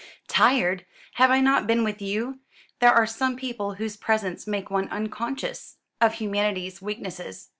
"Tired! Have I not been with you? There are some people whose presence makes one unconscious of humanity's weaknesses.